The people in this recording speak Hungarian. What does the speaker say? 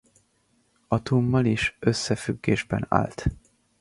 Atummal is összefüggésben állt.